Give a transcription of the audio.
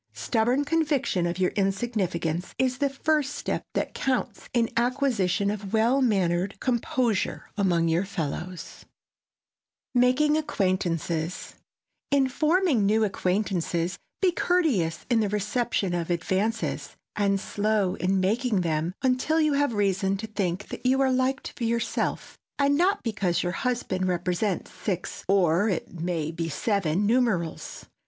Stubborn conviction of your insignificance is the first step that counts in the acquisition of well mannered composure among your fellows. [Sidenote: MAKING ACQUAINTANCES] In forming new acquaintances, be courteous in the reception of advances, and slow in making them until you have reason to think that you are liked for yourself, and not because your husband represents six, or it may be seven numerals.